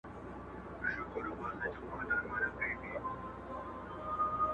سترګي دي ډکي توپنچې دي!.